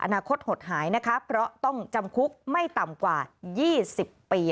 อนาคตหดหายนะคะเพราะต้องจำคุกไม่ต่ำกว่า๒๐ปี